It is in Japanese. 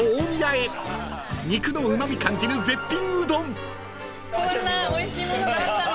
［肉のうま味感じる絶品うどん］